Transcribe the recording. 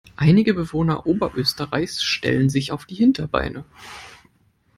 Einige Bewohner Oberösterreichs stellen sich auf die Hinterbeine.